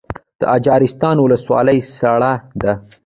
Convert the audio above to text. د اجرستان ولسوالۍ سړه ده